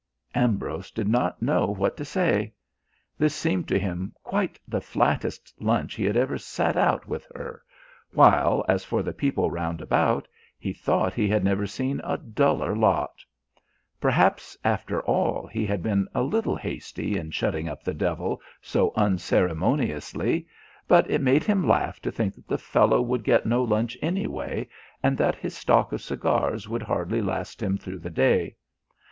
Ambrose did not know what to say. This seemed to him quite the flattest lunch he had ever sat out with her, while, as for the people round about, he thought he had never seen a duller lot. Perhaps, after all, he had been a little hasty in shutting up the devil so unceremoniously, but it made him laugh to think that the fellow would get no lunch anyway and that his stock of cigars would hardly last him through the day.